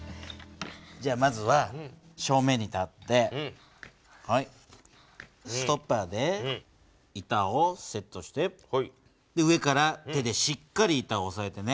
じゃあまずは正面に立ってストッパーで板をセットして上から手でしっかり板をおさえてね。